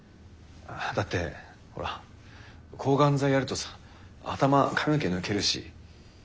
だってほら抗がん剤やるとさ頭髪の毛抜けるし。